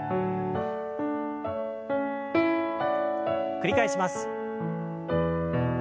繰り返します。